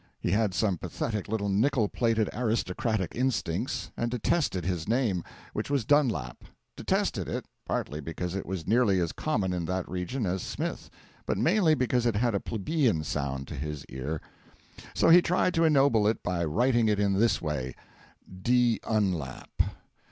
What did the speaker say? He had some pathetic little nickel plated aristocratic instincts, and detested his name, which was Dunlap; detested it, partly because it was nearly as common in that region as Smith, but mainly because it had a plebeian sound to his ear. So he tried to ennoble it by writing it in this way: d'Unlap.